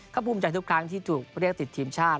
ก็ภูมิใจทุกครั้งที่ถูกเรียกติดทีมชาติ